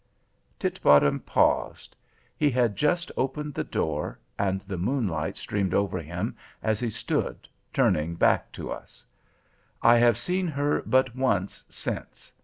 Titbottom paused. He had just opened the door and the moonlight streamed over him as he stood, turning back to us. "I have seen her but once since.